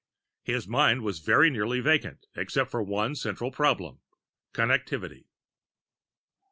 His mind was very nearly vacant except of one central problem: Connectivity.